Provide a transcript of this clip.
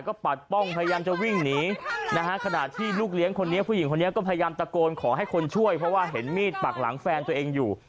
ก็พยายามตะโกนขอให้คนช่วยเพราะว่าเห็นมีดปากหลังแฟนตัวเองอยู่